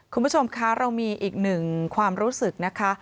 คุณผู้ชมคะเรามีอีกหนึ่งความรู้สึกนะคะ